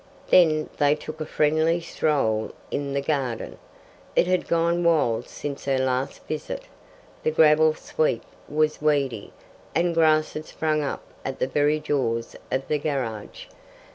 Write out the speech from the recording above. Then they took a friendly stroll in the garden. It had gone wild since her last visit. The gravel sweep was weedy, and grass had sprung up at the very jaws of the garage.